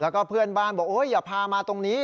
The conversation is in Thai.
แล้วก็เพื่อนบ้านบอกโอ๊ยอย่าพามาตรงนี้